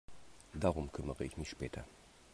Darum kümmere ich mich später.